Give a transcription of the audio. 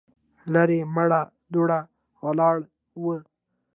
ليرې مړه دوړه ولاړه وه.